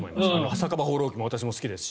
「酒場放浪記」も私も好きですし。